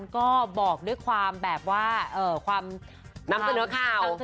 ก็บอกด้วยความแบบว่าความนำเสนอข่าว